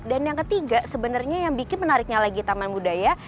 dan yang ketiga sebenernya yang bikin menariknya lagi taman budaya